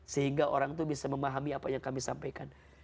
sehingga orang itu bisa memahami apa yang kami sampaikan